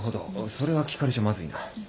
それは聞かれちゃまずいな。